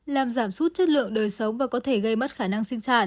làm giảm sút chất lượng đời sống và có thể gây mất khả năng sinh sản